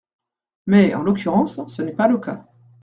Mais, en l’occurrence, ce n’est pas le cas.